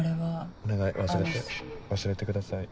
お願い忘れて忘れてください。